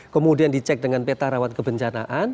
kemudian dicek dengan peta rawat kebencanaan